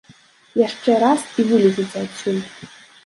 Яшчэ раз, і вылеціце адсюль!